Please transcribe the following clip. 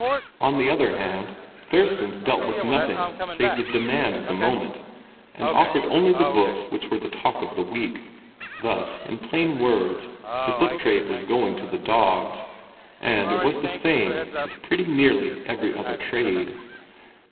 On the other hand, "Thurston's" dealt with nothing save the demand of the moment, and offered only the books which were the talk of the week. Thus, in plain words, the book trade was going to the dogs, and it was the same with pretty nearly every other trade.